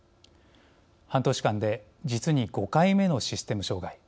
半年間で実に５回目のシステム障害。